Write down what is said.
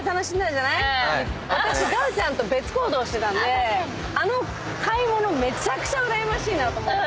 私ＧＯＷちゃんと別行動してたんであの買い物めちゃくちゃうらやましいなと思って。